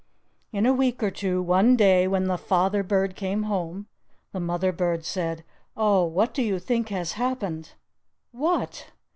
In a week or two, one day, when the father bird came home, the mother bird said, "Oh, what do you think has happened?" "What?"